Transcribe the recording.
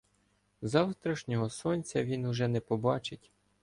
Завтрашнього сонця він уже не побачить.